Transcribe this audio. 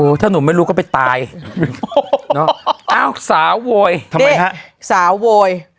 โอ้ถ้าหนูไม่รู้ก็ไปตายโอ้สาวโวย